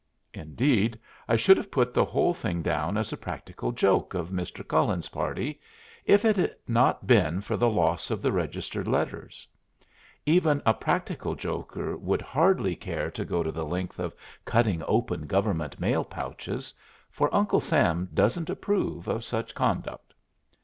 Indeed, I should have put the whole thing down as a practical joke of Mr. Cullen's party, if it had not been for the loss of the registered letters. Even a practical joker would hardly care to go to the length of cutting open government mail pouches; for Uncle Sam doesn't approve of such conduct.